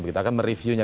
kita akan mereviewnya